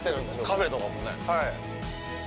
カフェとかもね。